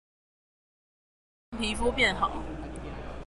礁溪泡湯皮膚變好